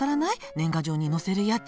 年賀状に載せるやつ。